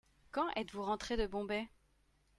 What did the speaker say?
Quand êtes-vous rentré de Bombay ?